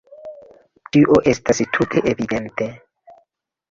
Tio estas tute evidente.